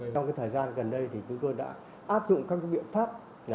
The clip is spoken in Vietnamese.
trong cái thời gian gần đây thì chúng tôi đã áp dụng các biện pháp